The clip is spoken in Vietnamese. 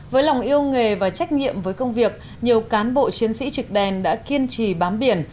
với lòng yêu nghề và trách nhiệm với công việc nhiều cán bộ chiến sĩ trực đèn đã kiên trì bám biển